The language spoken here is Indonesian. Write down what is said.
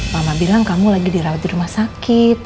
mama bilang kamu lagi dirawat di rumah sakit